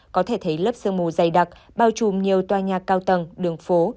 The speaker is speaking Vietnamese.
có thể thấy lớp sương mù dày đặc bao trùm nhiều tòa nhà cao tầng đường phố